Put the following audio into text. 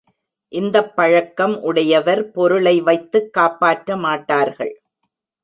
இந்தப் பழக்கம் உடையவர் பொருளை வைத்துக் காப்பாற்றமாட்டார்கள்.